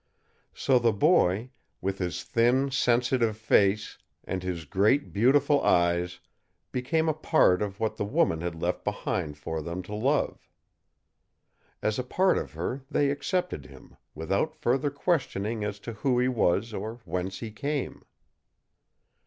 So the boy, with his thin, sensitive face and his great, beautiful eyes, became a part of what the woman had left behind for them to love. As a part of her they accepted him, without further questioning as to who he was or whence he came.